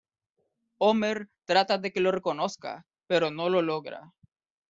Homer trata de que lo reconozca, pero no lo logra.